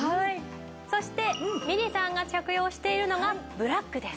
そしてみれさんが着用しているのがブラックです。